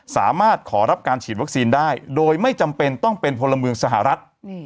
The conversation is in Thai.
สามารถขอรับการฉีดวัคซีนได้โดยไม่จำเป็นต้องเป็นพลเมืองสหรัฐ